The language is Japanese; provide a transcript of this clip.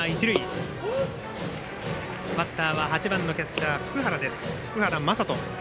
バッターは８番のキャッチャー福原です。